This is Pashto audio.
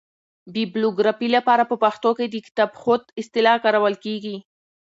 بیبلوګرافي له پاره په پښتو کښي دکتابښود اصطلاح کارول کیږي.